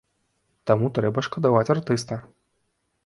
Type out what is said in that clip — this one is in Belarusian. Таму трэба шкадаваць артыста.